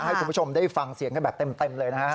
ให้คุณผู้ชมได้ฟังเสียงกันแบบเต็มเลยนะฮะ